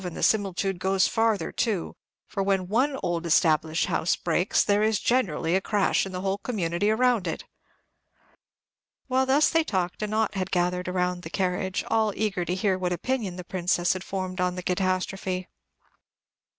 and the similitude goes farther too; for when one old established house breaks, there is generally a crash in the whole community around it." While they thus talked, a knot had gathered around the carriage, all eager to hear what opinion the Princess had formed on the catastrophe.